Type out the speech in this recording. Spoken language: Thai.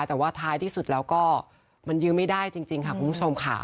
แต่ว่าท้ายที่สุดแล้วก็มันยื้อไม่ได้จริงค่ะคุณผู้ชมค่ะ